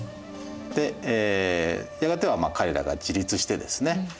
でやがては彼らが自立してですね